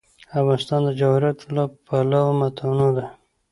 افغانستان د جواهراتو له پلوه متنوع دی.